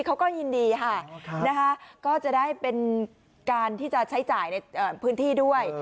เขาก็ยินดีค่ะนะคะก็จะได้เป็นการที่จะใช้จ่ายในพื้นที่ด้วย